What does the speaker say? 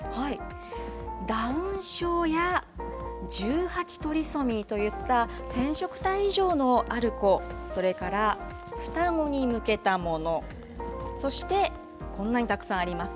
ダウン症や１８トリソミーといった染色体異常のある子、それから双子に向けたもの、そして、こんなにたくさんあります。